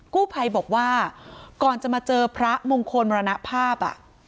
กู้ภัยบอกว่าก่อนจะมาเจอพระมงคลมรณภาพ